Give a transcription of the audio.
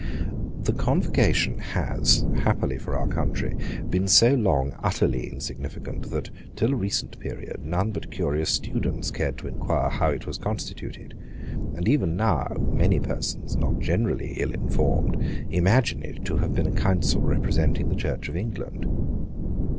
The Convocation has, happily for our country, been so long utterly insignificant that, till a recent period, none but curious students cared to inquire how it was constituted; and even now many persons, not generally ill informed, imagine it to have been a council representing the Church of England.